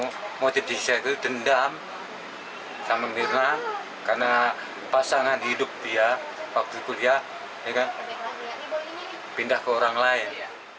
yang motif disegel dendam sama mirna karena pasangan hidup dia waktu kuliah pindah ke orang lain